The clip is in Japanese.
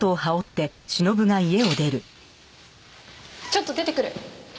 ちょっと出てくる。